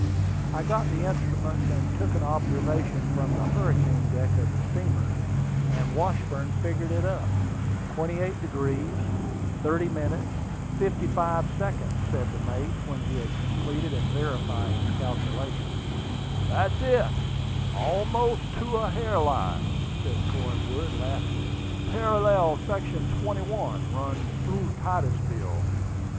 I got the instruments, and took an observation from the hurricane deck of the steamer; and Washburn figured it up. "28° 37' 55"," said the mate, when he had completed and verified his calculation. "That's it, almost to a hair line," said Cornwood, laughing. "Parallel section line 21 runs through Titusville.